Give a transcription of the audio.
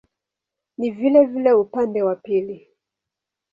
Ni vilevile upande wa pili.